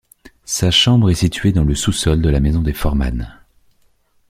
Sa chambre est située dans le sous-sol de la maison des Forman.